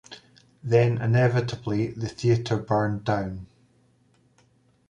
Then, inevitably, the theatre burned down.